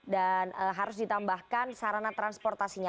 dan harus ditambahkan sarana transportasinya